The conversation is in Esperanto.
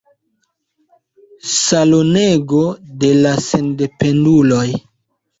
Salonego de la sendependuloj.